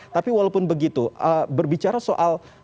tapi walaupun begitu berbicara soal